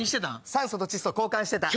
酸素と窒素交換してた。